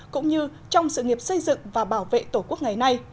cũng như trong sự nghiệp xây dựng và bảo vệ tổ quốc ngày nay